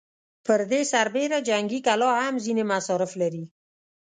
پر دې سربېره جنګي کلا هم ځينې مصارف لري.